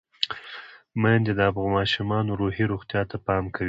میندې د ماشومانو روحي روغتیا ته پام کوي۔